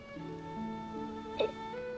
えっ？